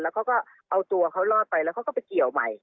แล้วก็เอาตัวเขารอดไปแล้วเขาก็ไปเกี่ยวใหม่